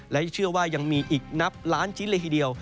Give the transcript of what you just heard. และเชื่อว่ายังมีอีกนับล้านชิ้นเลยทีเดียว